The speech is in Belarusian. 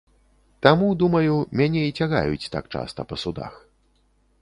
Таму, думаю, мяне і цягаюць так часта па судах.